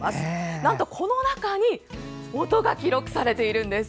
なんと、この中に音が記録されているんです。